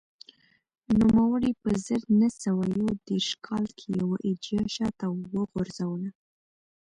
نوموړي په زر نه سوه یو دېرش کال کې یوه ایډیا شا ته وغورځوله